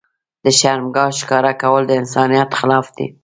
د شرمګاه ښکاره کول د انسانيت خلاف دي.